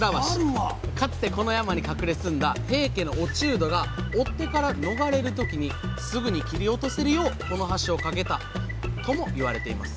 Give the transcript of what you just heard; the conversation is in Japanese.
かつてこの山に隠れ住んだ平家の落人が追っ手から逃れる時にすぐに切り落とせるようこの橋を架けたとも言われています。